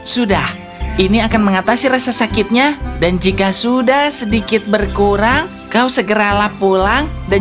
sudah ini akan mengatasi rasa sakitnya dan jika sudah sedikit berkurang kau segeralah pulang dan